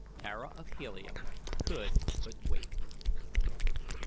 Tara of Helium could but wait.